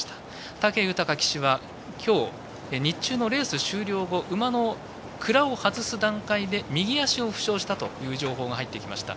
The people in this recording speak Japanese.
武豊騎手は、今日日中のレース終了後馬の鞍を外す段階で右足を負傷したという情報が入ってきました。